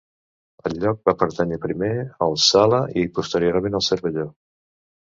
El lloc va pertànyer primer als Sala i posteriorment als Cervelló.